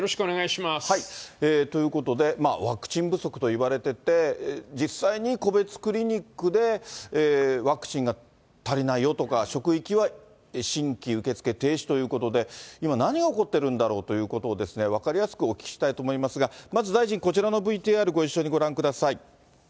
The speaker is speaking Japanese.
ということで、ワクチン不足といわれてて、実際に個別クリニックでワクチンが足りないよとか、職域は新規受け付け停止ということで、今何が起こってるんだろうということをですね、分かりやすくお聞きしたいと思いますが、まず大臣、こちらのＶＴＲご一緒にご覧ください。